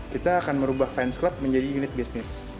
kita akan merubah fans club menjadi unit bisnis